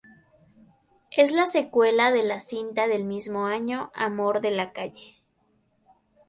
Es la secuela de la cinta del mismo año "Amor de la calle".